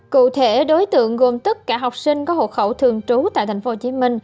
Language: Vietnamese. cụ thể đối tượng gồm tất cả học sinh có hộ khẩu thường trú tại tp hcm